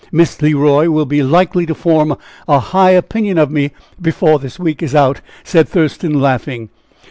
"Miss Le Roy will be likely to form a high opinion of me before this week is out," said Thurston, laughing.